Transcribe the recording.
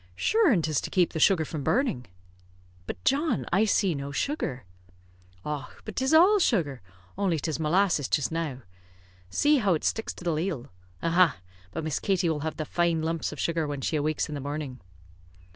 "Shure an' 'tis to keep the sugar from burning." "But, John, I see no sugar!" "Och, but 'tis all sugar, only 'tis molasses jist now. See how it sticks to the ladle. Aha! But Miss Katie will have the fine lumps of sugar when she awakes in the morning."